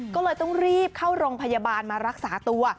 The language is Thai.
ก็เลยต้องรีบเข้าโรงพยาบาลมารักษาตัว